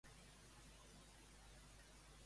Per quin motiu creu que els Cullen són diferents?